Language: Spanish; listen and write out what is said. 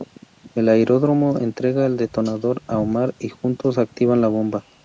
En el aeródromo, entrega el detonador a Omar y juntos activan la bomba.